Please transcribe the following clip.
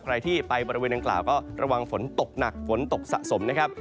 ใครที่ไปบริเวณดังกล่าวก็ระวังฝนตกหนักฝนตกสะสมนะครับ